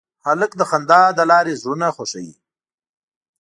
هلک د خندا له لارې زړونه خوښوي.